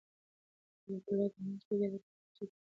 حیات الله د میاشتې ګټه په کتابچه کې لیکله.